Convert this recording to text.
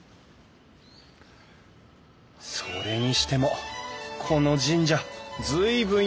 それにしてもこの神社随分横に長い。